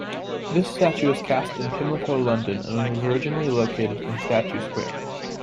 This statue was cast in Pimlico, London and was originally located in Statue Square.